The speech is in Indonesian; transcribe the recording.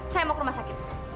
saya mau ke rumah sakit